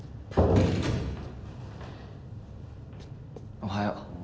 おはよう。